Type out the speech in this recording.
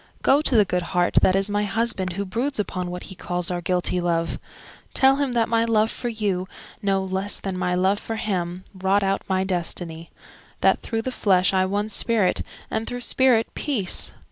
Go to the good heart that is my husband Who broods upon what he calls our guilty love:— Tell him that my love for you, no less than my love for him Wrought out my destiny—that through the flesh I won spirit, and through spirit, peace.